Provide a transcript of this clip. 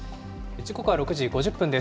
時刻は６時５０分です。